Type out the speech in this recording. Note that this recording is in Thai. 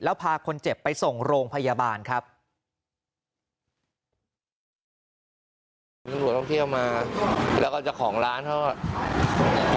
แล้วพาคนเจ็บไปส่งโรงพยาบาลครับ